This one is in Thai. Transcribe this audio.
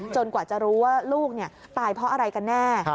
กว่าจะรู้ว่าลูกตายเพราะอะไรกันแน่